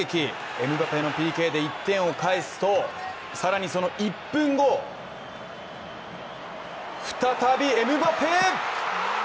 エムバペのＰＫで１点を返すと、更にその１分後、再びエムバペ。